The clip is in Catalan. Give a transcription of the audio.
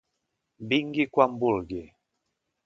Vingui quan vulgui.